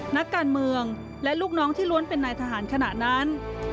นักการเมืองและลูกน้องที่ล้วนเป็นนายทหารขณะนั้น